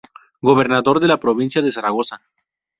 Gobernador de la provincia de Zaragoza.